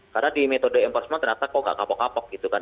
karena di metode enforcement ternyata kokak kapok kapok gitu kan